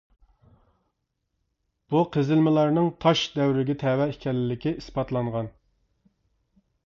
بۇ قېزىلمىلارنىڭ تاش دەۋرىگە تەۋە ئىكەنلىكى ئىسپاتلانغان.